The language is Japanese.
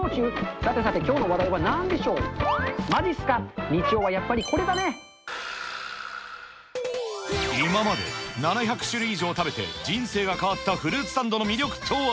さてさてきょうの話題はなんでしょう、まじっすか、日曜はやっぱ今まで、７００種類以上食べて人生が変わったフルーツサンドの魅力とは。